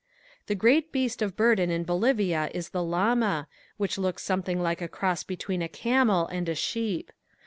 The great beast of burden in Bolivia is the llama, which looks something like a cross between a camel and a sheep.